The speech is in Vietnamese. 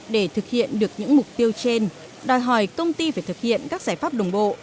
để thực hiện được những mục tiêu trên đòi hỏi công ty phải thực hiện các giải pháp đồng bộ